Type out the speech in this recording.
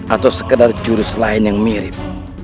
atau sekedar jurus lain yang mirip